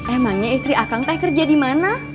emangnya istri akang teh kerja dimana